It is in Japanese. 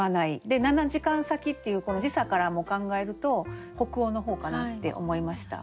で「七時間先」っていうこの時差からも考えると北欧の方かなって思いました。